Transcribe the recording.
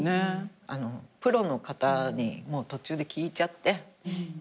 プロの方に途中で聞いちゃって。